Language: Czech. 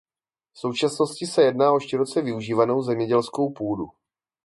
V současnosti se jedná o široce využívanou zemědělskou půdu.